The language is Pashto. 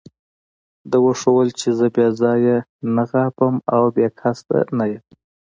ده وښودل چې زه بې ځایه نه غاپم او بې قصده نه یم.